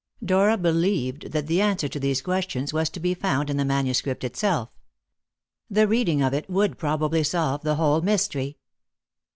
Dora believed that the answer to these questions was to be found in the manuscript itself. The reading of it would probably solve the whole mystery.